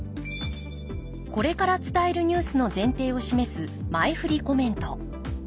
これから伝えるニュースの前提を示す前振りコメント。